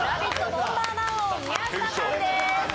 ボンバーマン王宮下さんです。